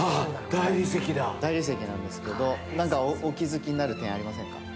大理石なんですけど何かお気付きになる点ありませんか？